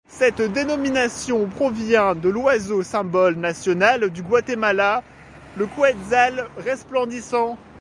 Cette dénomination provient de l'oiseau symbole national du Guatemala, le Quetzal resplendissant.